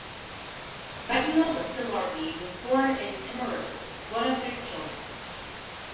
Reginald Delargey was born in Timaru, one of six children.